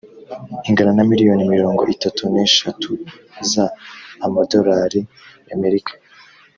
ingana na miliyoni mirongo itatu neshatu za amadorari y’amerika.